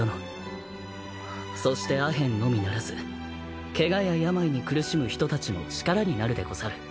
そしてアヘンのみならずケガや病に苦しむ人たちの力になるでござる。